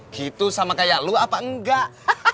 gitu sama kayak lu apa enggak